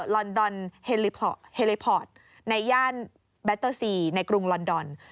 ลอนดอนเฮลิพอร์ตในย่านแบตเตอร์ซีในกรุงลอนดอน